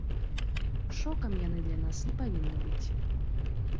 Шокам яны для нас не павінны быць.